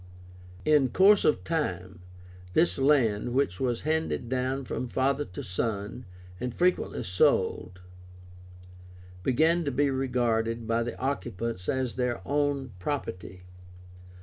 In course of time, this land, which was handed down from father to son, and frequently sold, began to be regarded by the occupants as their own property.